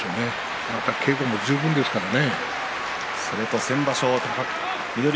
貴景勝は稽古も十分ですからね。